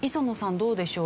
どうでしょう？